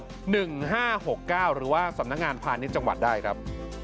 หรือว่าสำนักงานพาณิชย์จังหวัดได้ครับ